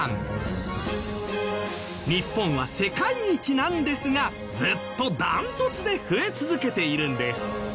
日本は世界一なんですがずっとダントツで増え続けているんです。